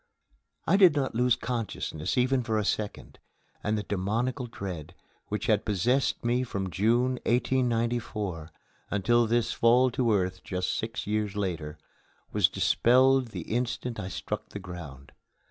I did not lose consciousness even for a second, and the demoniacal dread, which had possessed me from June, 1894, until this fall to earth just six years later, was dispelled the instant I struck the ground.